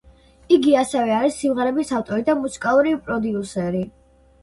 იგი ასევე არის სიმღერების ავტორი და მუსიკალური პროდიუსერი.